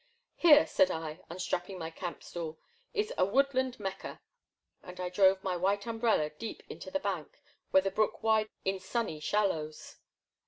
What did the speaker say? Here, said I, unstrapping my camp stool, '* is a woodland Mecca ; and I drove my white umbrella deep into the bank, where the brook widened in sunny shallows.